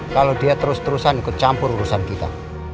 kalau dia terus terusan ikut campur urusan kita